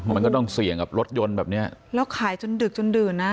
มันก็ต้องเสี่ยงกับรถยนต์แบบเนี้ยแล้วขายจนดึกจนดื่นนะ